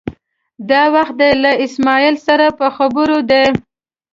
دا وخت دی له اسمعیل سره په خبرو دی.